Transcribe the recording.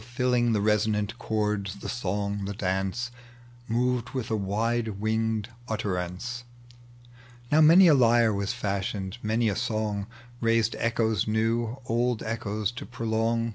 Filling the reaonaot chords, the song, the dance, Moved with a wider winged utterance. Now many a IjTe was fashioned, many a song liaised echoes new, old echoes to prolong.